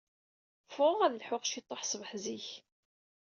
Ffɣeɣ ad lḥuɣ ciṭuḥ ṣṣbeḥ zik.